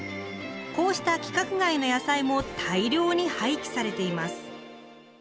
こうした規格外の野菜も大量に廃棄されています。